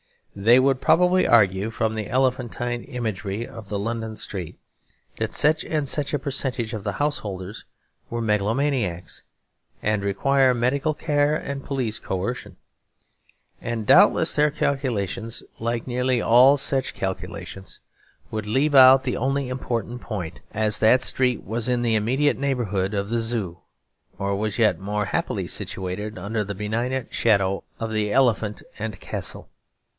They would probably argue from the elephantine imagery of the London street that such and such a percentage of the householders were megalomaniacs and required medical care and police coercion. And doubtless their calculations, like nearly all such calculations, would leave out the only important point; as that the street was in the immediate neighbourhood of the Zoo, or was yet more happily situated under the benignant shadow of the Elephant and Castle.